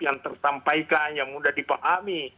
yang tersampaikan yang mudah dipahami